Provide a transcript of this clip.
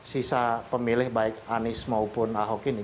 sisa pemilih baik anies maupun ahok ini